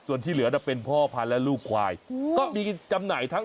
ส่วนที่เหลือน่ะเป็นพ่อพันธุ์และลูกควายก็มีจำหน่ายทั้ง